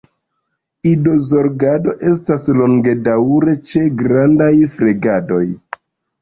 Idozorgado estas longdaŭra ĉe Grandaj fregatoj.